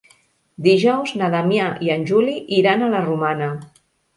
Dijous na Damià i en Juli iran a la Romana.